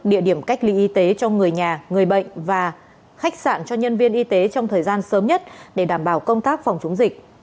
địa điểm cách ly y tế cho người nhà người bệnh và khách sạn cho nhân viên y tế trong thời gian sớm nhất để đảm bảo công tác phòng chống dịch